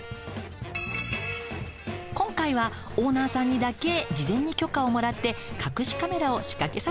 今回はオーナーさんにだけ事前に許可をもらって隠しカメラを仕掛けさせてもらったわ。